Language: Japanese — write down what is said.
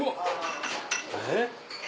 えっ！